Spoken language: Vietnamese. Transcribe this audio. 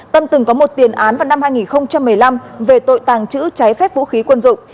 tâm từng có một tiền án vào năm hai nghìn một mươi năm về tội tàng trữ trái phép vũ khí quân dụng